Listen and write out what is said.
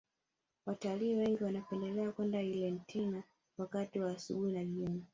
watalii wengi wanapendelea kwenda irente wakati wa asubuhi na jioni